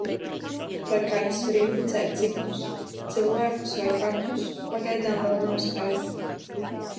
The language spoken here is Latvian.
Vai kaķis var inficēt citus - cilvēkus vai kaķus, pagaidām vēl nav skaidrs.